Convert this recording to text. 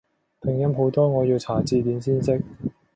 拼音好多我要查字典先識